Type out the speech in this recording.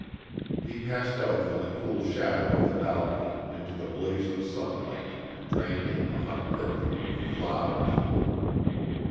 He passed out from the cool shadow of the balcony into the blaze of sunlight and drank in the hot perfume of the flowers.